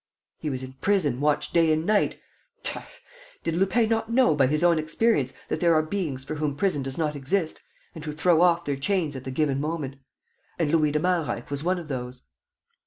He was in prison, watched day and night. Tush! Did Lupin not know by his own experience that there are beings for whom prison does not exist and who throw off their chains at the given moment? And Louis de Malreich was one of those.